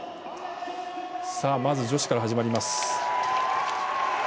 まず、女子から始まります。